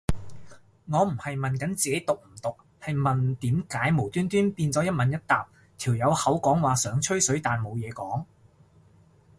我唔係問緊自己毒唔毒，係問點解無端端變咗一問一答，條友口講話想吹水但冇嘢講